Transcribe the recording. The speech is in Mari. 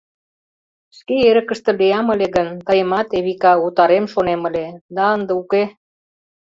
Шке эрыкыште лиям ыле гын, тыйымат, Эвика, утарем шонем ыле, да ынде уке...